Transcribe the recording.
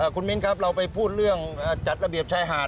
คุณมิ้นครับเราไปพูดเรื่องจัดระเบียบชายหาด